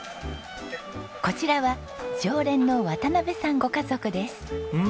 こちらは常連の渡辺さんご家族です。